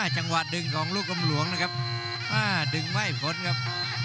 จังหวะดึงของลูกกำหลวงนะครับดึงไม่พ้นครับ